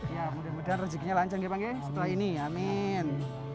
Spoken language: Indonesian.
ya mudah mudahan rezekinya lancar gepang gek setelah ini amin